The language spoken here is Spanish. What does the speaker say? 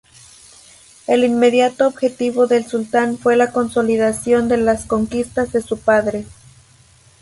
El inmediato objetivo del sultán fue la consolidación de las conquistas de su padre.